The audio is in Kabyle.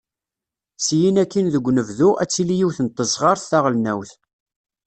Syin akin deg unebdu, ad tili yiwet n tesɣert taɣelnawt.